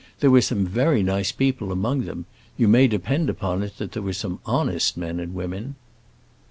There were some very nice people among them; you may depend upon it there were some honest men and women."